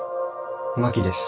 真木です。